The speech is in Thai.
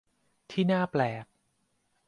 ที่น่าแปลก ?